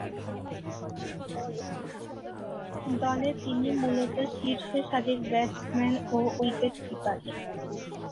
দলে তিনি মূলতঃ শীর্ষসারির ব্যাটসম্যান ও উইকেট-কিপার।